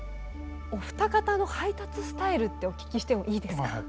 お二方の配達スタイルってお聞きしてもいいですか？